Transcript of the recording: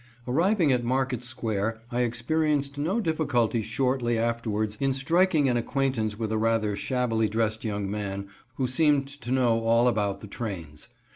Arriving at Market Square, I experienced no difficulty shortly afterwards in striking an acquaintance with a rather shabbily dressed young man, who seemed to know all about the trains.